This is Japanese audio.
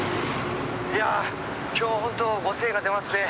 いやぁ今日もホントご精が出ますね。